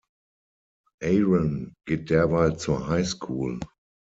Aaron geht derweil zur Highschool.